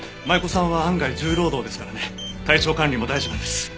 舞子さんは案外重労働ですからね体調管理も大事なんです。